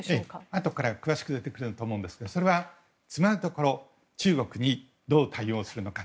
あとから詳しく出てくると思いますがそれはつまるところ中国にどう対応するのか。